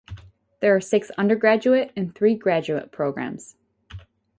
There are six undergraduate and three graduate programs.